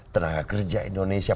tenaga kerja indonesia